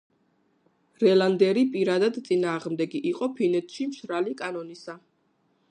რელანდერი პირადად წინააღმდეგი იყო ფინეთში მშრალი კანონისა.